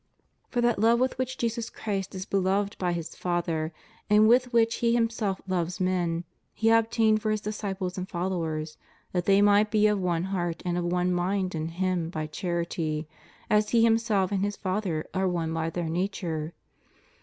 For that love with which Jesus Christ is beloved by His Father and with which He Himself loves men. He obtained for His disciples and followers, that they might be of one heart and of one mind in Him by charity, as He Himself and His Father are one by their nature.